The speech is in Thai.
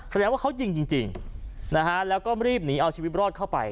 แสดงว่าเขายิงจริงนะฮะแล้วก็รีบหนีเอาชีวิตรอดเข้าไป